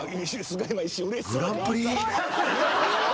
『グランプリ』か。